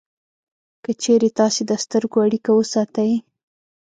که چېرې تاسې د سترګو اړیکه وساتئ